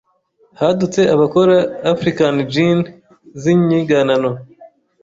hadutse abakora African Gin z’inyiganano